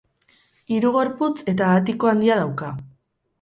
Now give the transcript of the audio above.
Hiru gorputz eta atiko handia dauka.